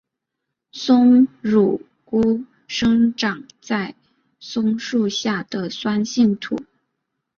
松乳菇生长在松树下的酸性土。